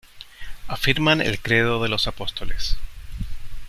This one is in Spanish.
Afirman el Credo de los Apóstoles.